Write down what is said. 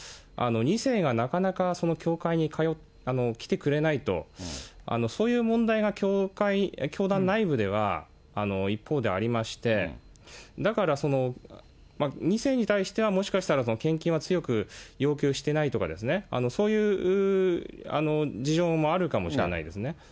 ２世がなかなか教会に来てくれないと、そういう問題が教団内部では一方でありまして、だから２世に対しては、もしかしたら献金は強く要求してないとか、そういう事情もあるかもしれないですね。